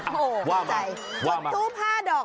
ว่ามาว่ามาจิตใจจุดทูป๕ดอก